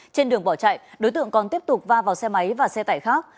trên đường bỏ chạy đối tượng còn tiếp tục va vào xe máy và xe tải khác